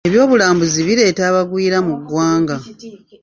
Ebyobulambuzi bireeta abagwiira mu ggwanga.